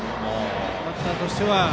バッターとしては。